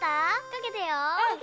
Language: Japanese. かけたよ。